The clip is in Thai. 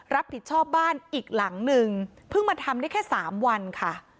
รับผิดชอบบ้านอีกหลังนึงเพิ่งมาทำได้แค่สามวันค่ะ